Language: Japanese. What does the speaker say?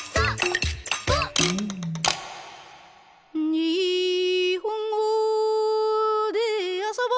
「にほんごであそぼ」